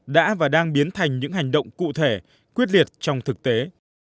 đã và đang biến thành những hành động cụ thể quyết liệt trong thực tế